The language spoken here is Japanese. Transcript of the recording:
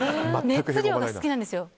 熱量が好きなんですよ